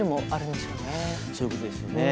そういうことですよね。